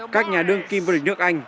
các nhà đương kim vương địch nước anh